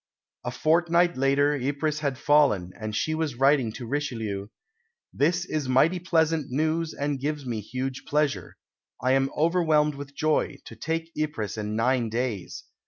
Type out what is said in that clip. A fortnight later Ypres had fallen, and she was writing to Richelieu, "This is mighty pleasant news and gives me huge pleasure. I am overwhelmed with joy, to take Ypres in nine days.